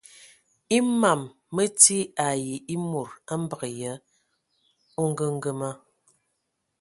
E mam mə ti ai e mod a mbəgə yə a ongəngəma.